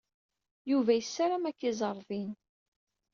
Yuba yessaram ad k-iẓer din.